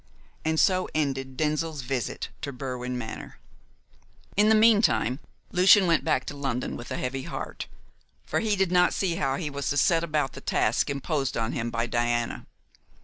And so ended Denzil's visit to Berwin Manor. In the meantime, Lucian went back to London with a heavy heart, for he did not see how he was to set about the task imposed on him by Diana.